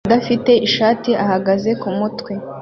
Umugabo udafite ishati ahagaze kumutwe